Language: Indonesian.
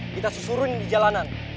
kita susurin di jalanan